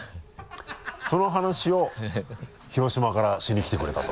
その話を広島からしに来てくれたと？